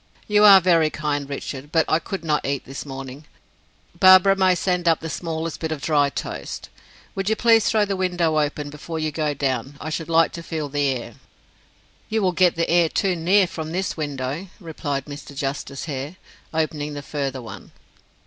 "You are very kind, Richard, but I could not eat it this morning. Barbara may send up the smallest bit of dry toast. Would you please throw the window open before you go down; I should like to feel the air." "You will get the air too near from this window," replied Mr. Justice Hare, opening the further one.